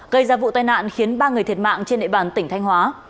gây ra vụ tai nạn khiến ba người thiệt mạng trên địa bàn tỉnh thanh hóa